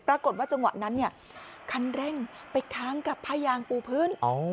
ปรากฏว่าจังหวัดนั้นคันเร่งไปท้างกับผ้ายางปูพื้น